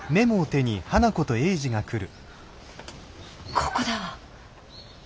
ここだわ。